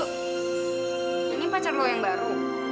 eh yuk ini pacar lo yang baru